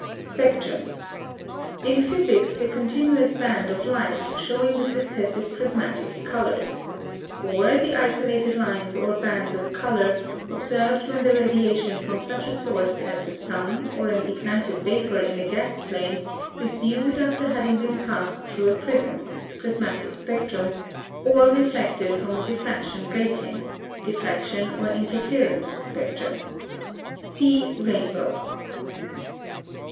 SPECTRUM. In physics the continuous band of light showing the successive prismatic colors, or the isolated lines or bands of color, observed when the radiation from such a source as the sun or an ignited vapor in a gas flame is viewed after having been passed through a prism (prismatic spectrum) or reflected from a diffraction grating (diffraction or interference spectrum). See Rainbow.